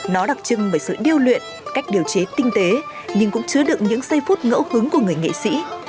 nó đặc trưng bởi sự điêu luyện cách điều chế tinh tế nhưng cũng chứa đựng những giây phút ngẫu hứng của người nghệ sĩ